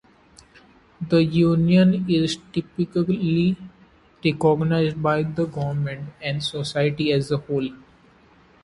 This union is typically recognized by the government and society as a whole.